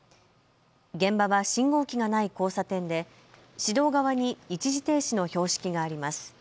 現場は信号機がない交差点で市道側に一時停止の標識があります。